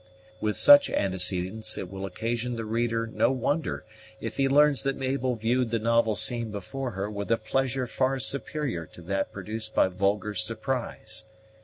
With such antecedents it will occasion the reader no wonder if he learns that Mabel viewed the novel scene before her with a pleasure far superior to that produced by vulgar surprise.